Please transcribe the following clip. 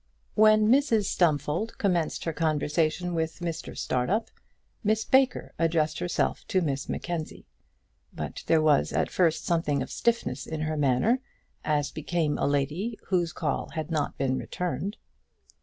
When Mrs Stumfold commenced her conversation with Mr Startup, Miss Baker addressed herself to Miss Mackenzie; but there was at first something of stiffness in her manner, as became a lady whose call had not been returned.